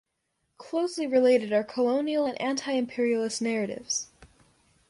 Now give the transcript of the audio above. Closely related are colonial and anti-imperialist narratives.